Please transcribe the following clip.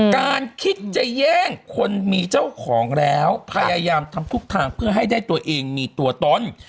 การคิดจะแย่งคนมีเจ้าของแล้วพยายามทำทุกทางเพื่อให้ได้ตัวเองมีตัวตน